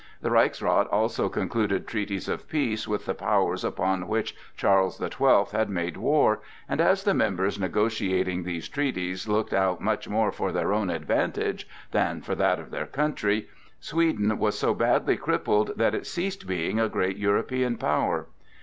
The Reichsrath also concluded treaties of peace with the powers upon which Charles the Twelfth had made war, and as the members negotiating these treaties looked out much more for their own advantage than for that of their country, Sweden was so badly crippled that it ceased being a great European power.